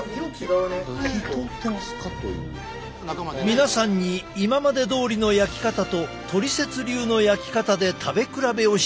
皆さんに今までどおりの焼き方とトリセツ流の焼き方で食べ比べをしていただこう。